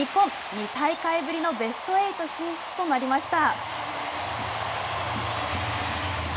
２大会ぶりのベスト８進出となりました。